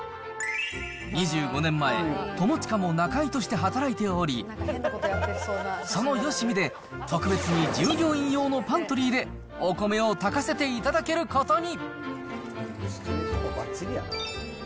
２５年前、友近も仲居として働いており、そのよしみで、特別に従業員用のパントリーで、お米を炊かせていただけることに。